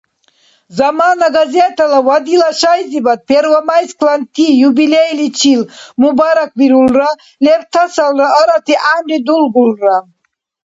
«Замана» газетала ва дила шайзибад первомайскланти юбилейличил мубаракбирулра, лебтасалра арати гӀямру дулгулра.